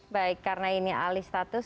baik karena ini alih status